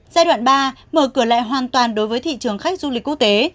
giai đoạn ba mở cửa lại hoàn toàn đối với thị trường khách du lịch quốc tế